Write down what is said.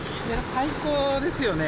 最高ですよね。